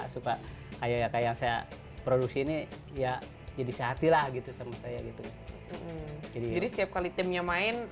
suka ayat ayat saya produksi ini ya jadi setilah gitu sama saya gitu jadi setiap kali timnya main